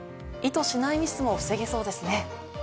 意図しないミスも防げそうですね。